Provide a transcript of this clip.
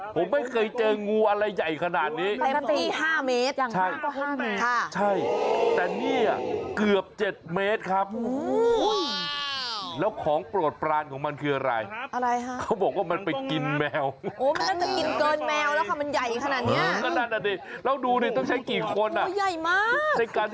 ผมไม่เคยเจองูอะไรใหญ่ขนาดนี้เปลี่ยว๕เมตรอย่างมากก็๕เมตร